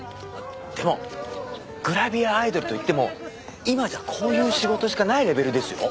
でもグラビアアイドルといっても今じゃこういう仕事しかないレベルですよ。